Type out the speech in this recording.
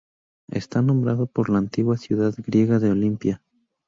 Está nombrado por la antigua ciudad griega de Olimpia.